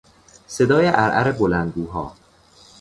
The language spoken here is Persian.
صدای عرعر بلندگوها